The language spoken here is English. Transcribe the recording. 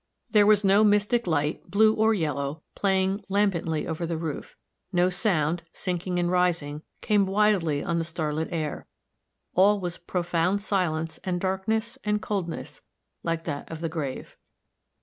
There was no mystic light, blue or yellow, playing lambently over the roof; no sound, sinking and rising, came wildly on the starlit air; all was profound silence and darkness and coldness like that of the grave.